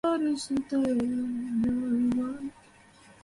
আমি সবসময় সাথে স্টিকারগুলো নিয়ে আসি, জানোই তো।